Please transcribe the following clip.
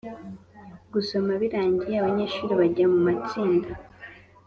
Gusoma birangiye, abanyeshuri bajya mu matsinda